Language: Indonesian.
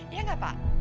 iya gak pak